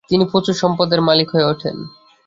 তিনি প্রচুর সম্পদের মালিক হয়ে ওঠেন।